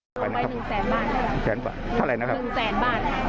ลงไปหนึ่งแสนบ้าน๑๐๐๐๙บาทเขาไรนะครับหนึ่งแสนบ้าน